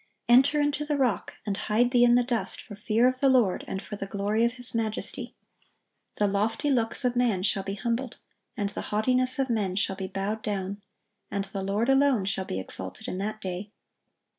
(1098) "Enter into the rock, and hide thee in the dust, for fear of the Lord, and for the glory of His majesty. The lofty looks of man shall be humbled, and the haughtiness of men shall be bowed down, and the Lord alone shall be exalted in that day.